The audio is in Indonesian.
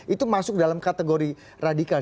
itu masuk dalam kategori radikal